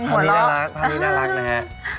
ภาพนี้น่ารักภาพนี้น่ารักนะฮะ